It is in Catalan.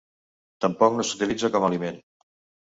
Tampoc no s'utilitza com a aliment.